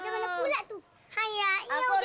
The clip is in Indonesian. macam mana pula tuh